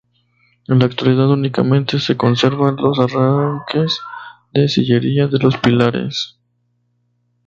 En la actualidad únicamente se conservan los arranques de sillería de los pilares.